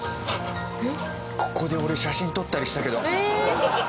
ここで俺写真撮ったりしたけど。